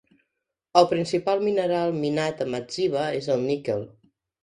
El principal mineral minat a Madziwa és el níquel.